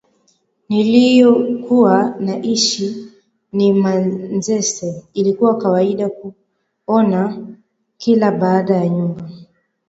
niliyokuwa naishi ni Manzese ilikuwa kawaida kuona kila baada ya nyumba